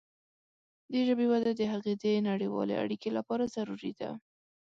د ژبې وده د هغې د نړیوالې اړیکې لپاره ضروري ده.